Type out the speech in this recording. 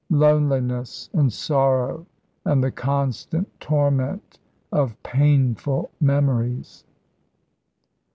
Loneliness and sorrow and the constant torment of painful memories."